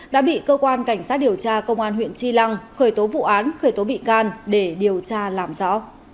đã bị cơ quan cảnh sát điều tra công an huyện tri lăng khởi tố vụ án khởi tố bị can để điều tra làm rõ